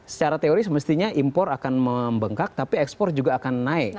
secara teori semestinya impor akan membengkak tapi ekspor juga akan naik